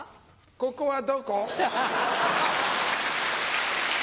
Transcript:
ここはどこ？